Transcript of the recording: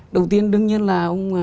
đầu tiên đương nhiên là